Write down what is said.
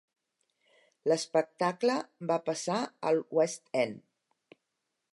L'espectacle va passar al West End.